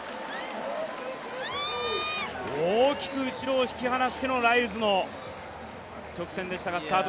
大きく後ろを引き離してのライルズの直線でしたが。